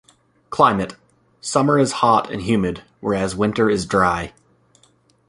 Climate: Summer is hot and humid whereas winter is dry.